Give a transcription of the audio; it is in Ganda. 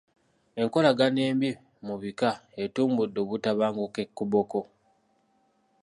Enkolagana embi mu bika etumbudde obutabanguko e Koboko.